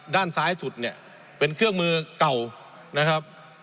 ด้านซ้ายสุดเป็นเครื่องมือเก่า